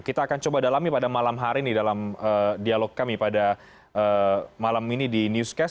kita akan coba dalami pada malam hari ini dalam dialog kami pada malam ini di newscast